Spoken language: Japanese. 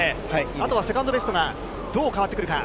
あとはセカンドベストがどう変わってくるか。